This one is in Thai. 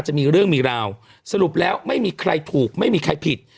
จะมีเรื่องมีราวสรุปแล้วไม่มีใครถูกไม่มีใครผิด